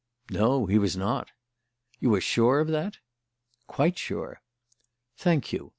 "No, he was not." "You are sure of that?" "Quite sure." "Thank you.